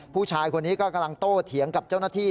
ผู้ชายคนนี้ก็กำลังโต้เถียงกับเจ้าหน้าที่